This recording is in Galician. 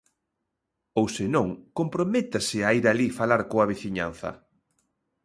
Ou se non comprométase a ir alí falar coa veciñanza.